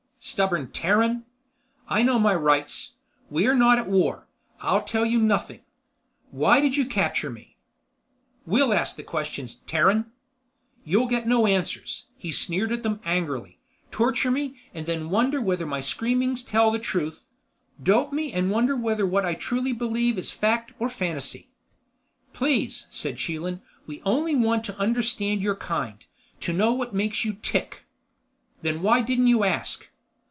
"Stubborn Terran!" "I know my rights. We are not at war. I'll tell you nothing. Why did you capture me?" "We'll ask the questions, Terran." "You'll get no answers." He sneered at them angrily. "Torture me—and then wonder whether my screamings tell the truth. Dope me and wonder whether what I truly believe is fact or fantasy." "Please," said Chelan, "we only want to understand your kind. To know what makes you tick." "Then why didn't you ask?"